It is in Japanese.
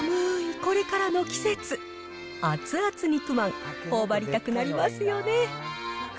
これからの季節、熱々肉まん、ほおばりたくなりますよね？